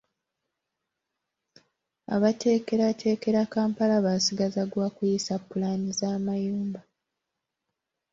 Abateekerateekera Kampala baasigaza gwa kuyisa ppulaani z’amayumba.